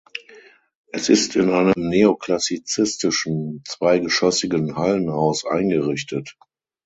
Es ist in einem neoklassizistischen zweigeschossigen Hallenhaus eingerichtet.